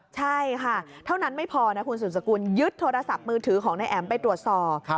ใช่ค่ะเท่านั้นไม่พอนะคุณสุดสกุลยึดโทรศัพท์มือถือของนายแอ๋มไปตรวจสอบ